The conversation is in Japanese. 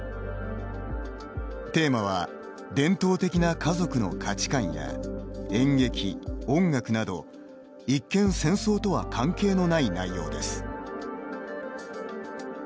テーマは「伝統的な家族の価値観」や「演劇」「音楽」など一見戦争とは関係のない内容です。